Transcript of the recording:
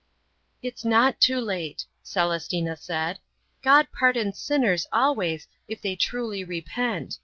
"It's not too late," Celestina said, "God pardons sinners always if they truly repent.